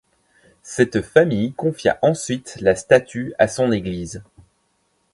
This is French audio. Cette famille confia ensuite la statue à son église.